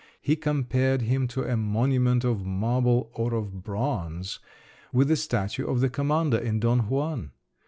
He compared him to a monument of marble or of bronze, with the statue of the commander in Don Juan!